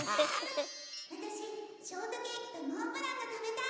私ショートケーキとモンブランが食べたい！